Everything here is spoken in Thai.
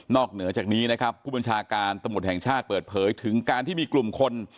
เหนือจากนี้นะครับผู้บัญชาการตำรวจแห่งชาติเปิดเผยถึงการที่มีกลุ่มคน